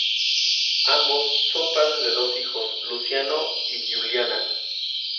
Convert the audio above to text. Ambos, son padres de dos hijos, Luciano y Giuliana.